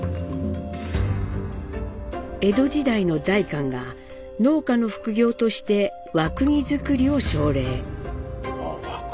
江戸時代の代官が農家の副業として和釘作りを奨励。